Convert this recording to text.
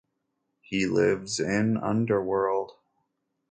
He lives in underworld.